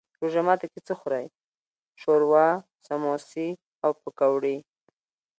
روژه ماتی کی څه خورئ؟ شوروا، سموسي او پکوړي